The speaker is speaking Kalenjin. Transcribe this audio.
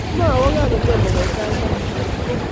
Maweka kotomo kuit sait taman